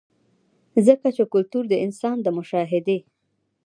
ځکه چې کلتور د انسان د مشاهدې